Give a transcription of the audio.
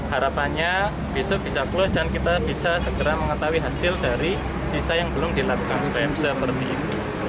karyawan yang reaktif covid sembilan belas diminta untuk melakukan isolasi masyarakat dan penyelenggaraan